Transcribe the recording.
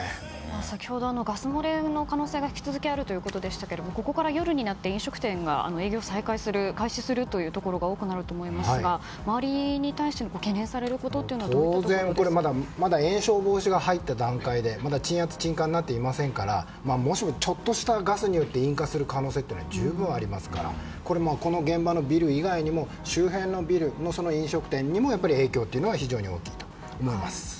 先ほどのガス漏れの可能性が引き続きあるということでしたけどもここから夜になって飲食店が営業を開始するところが多くなると思いますが周りに対して懸念されることというのは当然、まだ延焼防止が入った段階でまだ鎮圧・鎮火になっていませんからちょっとしたガスによって引火する可能性って十分ありますからこの現場のビル以外にも周辺のビルの飲食店へもやっぱり影響は非常に大きいと思います。